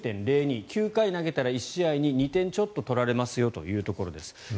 ９回投げたら１試合に２点ちょっと取られますよと。